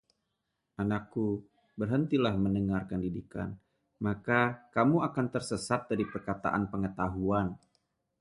Anakku, berhentilah mendengarkan didikan, maka kamu akan tersesat dari perkataan pengetahuan.